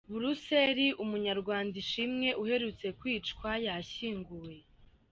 Buruseli Umunyarwanda Ishimwe uherutse kwicwa yashyinguwe